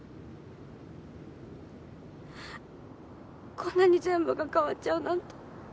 こんなに全部が変わっちゃうなんて今初めて。